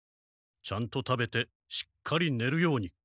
ちゃんと食べてしっかりねるように。